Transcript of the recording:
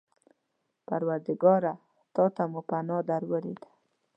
پروردګاره! تا ته مو پناه در وړې ده.